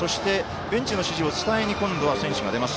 ベンチの指示を伝えに、今度は選手が出ます。